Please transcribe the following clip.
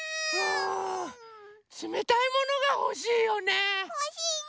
つめたいものがほしいよね。